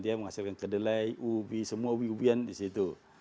dia menghasilkan kedelai ubi semua ubi ubian di situ